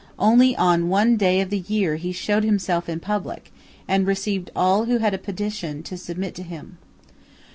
Only on one day of the year he showed himself in public, and received all who had a petition to submit to him.